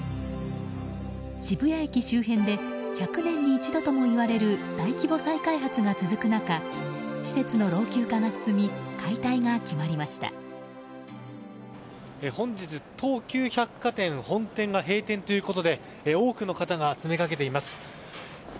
渋谷駅周辺で１００年に一度ともいわれる大規模再開発が進む中施設の老朽化が進み本日、東急百貨店本店が閉店ということで多くの方が詰めかけています。